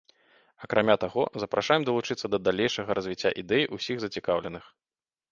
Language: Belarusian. Акрамя таго, запрашаем далучыцца да далейшага развіцця ідэі ўсіх зацікаўленых.